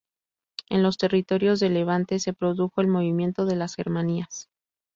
En los territorios de Levante se produjo el movimiento de las Germanías.